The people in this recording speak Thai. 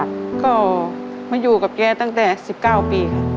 ก็มาอยู่กับแกตั้งแต่๑๙ปีค่ะ